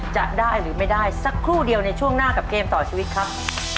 จะได้หรือไม่ได้สักครู่เดียวในช่วงหน้ากับเกมต่อชีวิตครับ